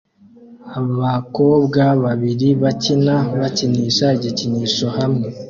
Abakobwa babiri bakina bakinisha igikinisho hamwe